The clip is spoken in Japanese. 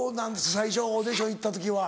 最初オーディション行った時は。